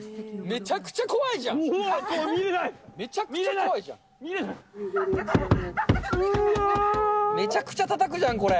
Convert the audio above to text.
めちゃくちゃたたくじゃん、これ。